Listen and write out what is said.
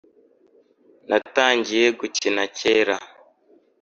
Natangiye gukina cyera